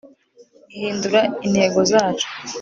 Hindura intego zacu